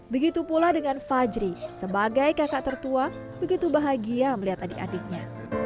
begitu pula dengan fajri sebagai kakak tertua begitu bahagia melihat adik adiknya